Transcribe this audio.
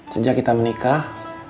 sejak kita menikah